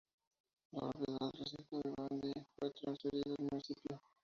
La propiedad del recinto de bandy fue transferida al municipio.